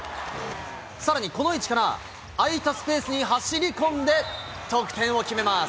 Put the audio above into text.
さらにこの位置から、空いたスペースに走り込んで、得点を決めます。